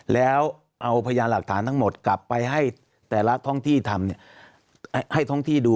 แล้วเอาพยานหลักฐานทั้งหมดกลับไปให้แต่ละท่องที่ดู